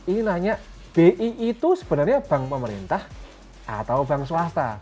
ini nanya bi itu sebenarnya bank pemerintah atau bank swasta